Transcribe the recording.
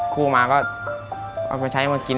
กู้มาก็เอาไปใช้มากิน